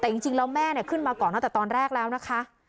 แต่จริงแล้วแม่ขึ้นมาก่อนตั้งแต่ตอนแรกแล้วนะคะ